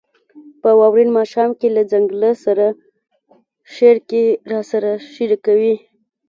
« په واورین ماښام کې له ځنګله سره» شعر کې راسره شریکوي: